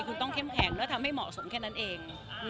คุณต้องเข้มแข็งแล้วทำให้เหมาะสมแค่นั้นเอง